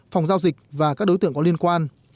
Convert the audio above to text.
phòng giao dịch và các đối tượng có liên quan